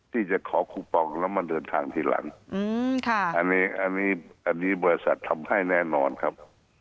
ที่จะขอคูปองแล้วมาเดินทางทีหลังอันนี้อันนี้บริษัททำให้แน่นอนครับ